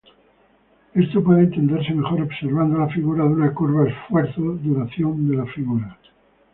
Esto puede entenderse mejor observando la figura de una curva esfuerzo-duración de la Fig.